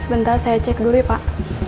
sebentar saya cek dulu pak